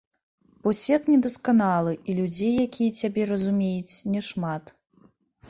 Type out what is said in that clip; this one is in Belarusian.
Бо свет недасканалы, і людзей, якія цябе разумеюць, няшмат.